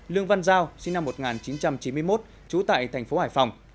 lương văn giao sinh năm một nghìn chín trăm chín mươi một chú tại tp hải phòng